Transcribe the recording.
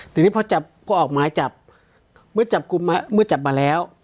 ทีนี้พอจับก็ออกหมายจับเมื่อจับกลุ่มมาเมื่อจับมาแล้ว